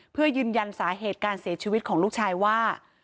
เพื่อยืนยันสาเหตุการเสียชีวิตของลูกชายว่า